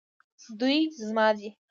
دوی زما دي